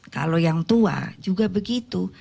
kalau yang tua juga begitu